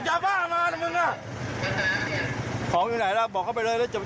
ยาบ้ามานะมึงอ่ะของอยู่ไหนล่ะบอกเข้าไปเลยแล้วจะไป